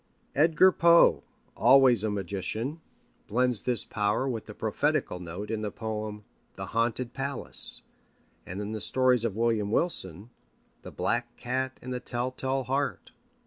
Edgar Poe, always a magician, blends this power with the prophetical note in the poem, The Haunted Palace, and in the stories of William Wilson, The Black Cat and The Tell tale Heart.